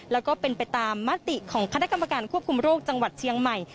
แล้วก็เป็นไปตามมติของคณะกรรมการควบคุมโรคจังหวัดเชียงใหม่